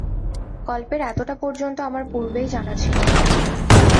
গল্পের এতটা পর্যন্ত আমার পূর্বেই জানা ছিল।